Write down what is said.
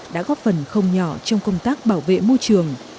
đã góp phần không nhỏ trong công tác bảo vệ môi trường